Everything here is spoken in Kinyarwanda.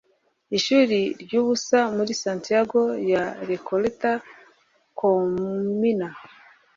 Ishuri ryubusa muri Santiago ya Recoleta Communa